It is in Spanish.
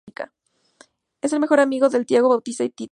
Es el mejor amigo de Tiago, Bautista y Titán.